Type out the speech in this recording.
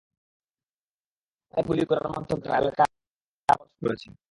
কামালের পায়ে গুলি করার মাধ্যমে তারা এলাকায় আবার সহিংসতা শুরু করেছে।